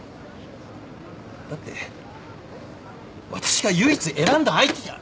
だって私が唯一選んだ相手が。